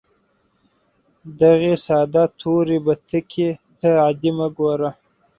دغې ساده تورې بتکې ته عادي مه ګوره